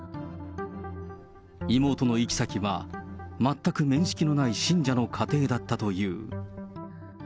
妹の行き先は、全く面識のない信者の家庭だったという。